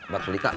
baru sedih kak